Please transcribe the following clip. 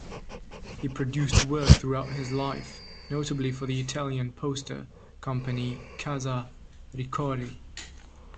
He produced work throughout his life, notably for the Italian poster company Casa Ricordi.